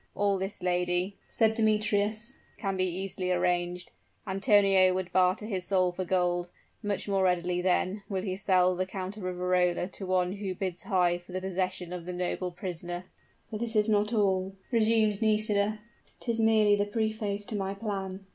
"All this, lady," said Demetrius, "can be easily arranged. Antonio would barter his soul for gold; much more readily, then, will he sell the Count of Riverola to one who bids high for the possession of the noble prisoner." "But this is not all," resumed Nisida, "'tis merely the preface to my plan.